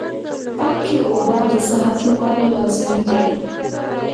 پاکي اوبه د صحت لپاره لازمي دي.